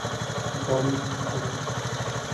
কিন্তু আমি তার মতো নই।